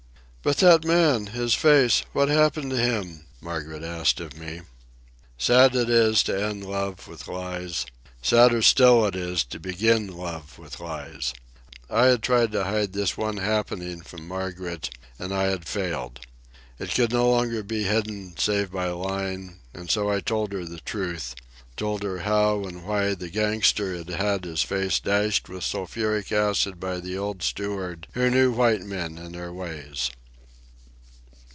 "But that man—his face—what happened to him?" Margaret asked of me. Sad it is to end love with lies. Sadder still is it to begin love with lies. I had tried to hide this one happening from Margaret, and I had failed. It could no longer be hidden save by lying; and so I told her the truth, told her how and why the gangster had had his face dashed with sulphuric acid by the old steward who knew white men and their ways.